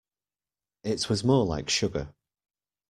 It was more like sugar.